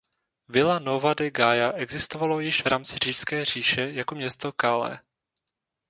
Vila Nova de Gaia existovalo již v rámci Římské říše jako město Cale.